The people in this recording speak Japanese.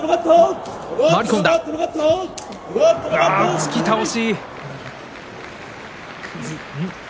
突き倒し。